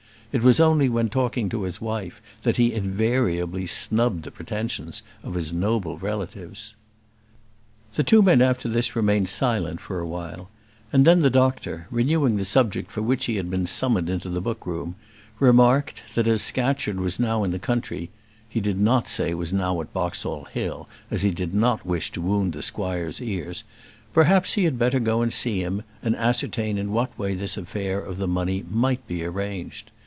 It was only when talking to his wife that he invariably snubbed the pretensions of his noble relatives. The two men after this remained silent for a while; and then the doctor, renewing the subject for which he had been summoned into the book room, remarked, that as Scatcherd was now in the country he did not say, was now at Boxall Hill, as he did not wish to wound the squire's ears perhaps he had better go and see him, and ascertain in what way this affair of the money might be arranged.